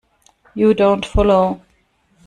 You don't follow.